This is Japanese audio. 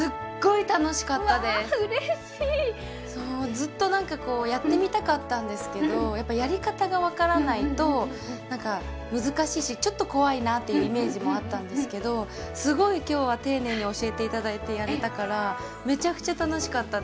ずっとなんかこうやってみたかったんですけどやっぱやり方が分からないとなんか難しいしちょっと怖いなっていうイメージもあったんですけどすごい今日は丁寧に教えて頂いてやれたからめちゃくちゃ楽しかったです。